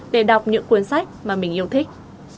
để đọc những cuốn sách mà mình yêu thích